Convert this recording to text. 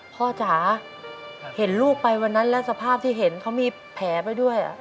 จ๋าเห็นลูกไปวันนั้นแล้วสภาพที่เห็นเขามีแผลไปด้วย